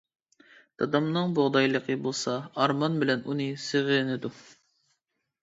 دادامنىڭ بۇغدايلىقى بولسا ئارمان بىلەن ئۇنى سېغىنىدۇ.